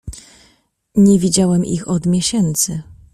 "Nie widziałem ich od miesięcy."